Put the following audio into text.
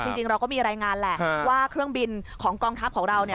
จริงเราก็มีรายงานแหละว่าเครื่องบินของกองทัพของเรา